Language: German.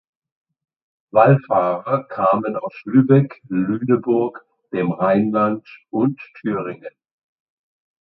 Wallfahrer kamen aus Lübeck, Lüneburg, dem Rheinland und Thüringen.